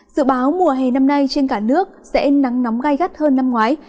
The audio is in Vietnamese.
dự báo mùa hè năm nay trên cả nước sẽ nắng nóng gai gắt hơn năm ngoái